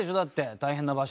大変な場所。